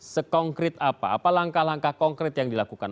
sekongkrit apa apa langkah langkah kongkrit yang dilakukan